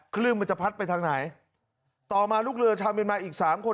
คลื่นมันจะพัดไปทางไหนต่อมาลูกเรือชาวเมียนมาอีกสามคน